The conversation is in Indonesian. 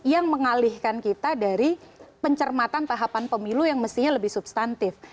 yang mengalihkan kita dari pencermatan tahapan pemilu yang mestinya lebih substantif